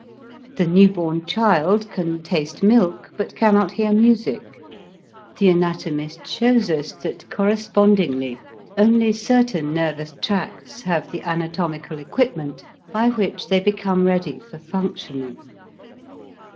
The new born child can taste milk, but cannot hear music. The anatomist shows us that correspondingly only certain nervous tracts have the anatomical equipment by which they become ready for functioning.